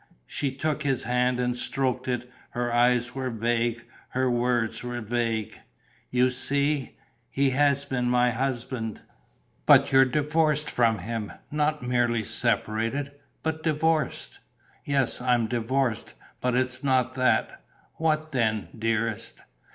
She took his hand and stroked it; her eyes were vague, her words were vague: "You see ... he has been my husband." "But you're divorced from him: not merely separated, but divorced!" "Yes, I'm divorced; but it's not that." "What then, dearest?"